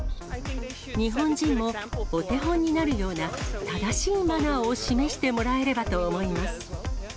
日本人もお手本になるような、正しいマナーを示してもらえればと思います。